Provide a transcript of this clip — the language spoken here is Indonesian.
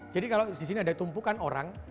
jadi kalau di sini ada tumpukan orang